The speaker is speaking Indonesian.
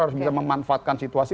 harus bisa memanfaatkan situasi